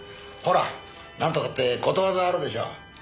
ほらなんとかってことわざあるでしょ。